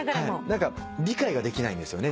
何か理解ができないんですよね